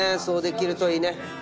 そうできるといいね。